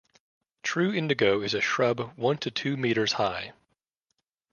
True indigo is a shrub one to two meters high.